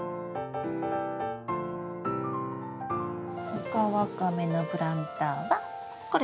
オカワカメのプランターはこれです。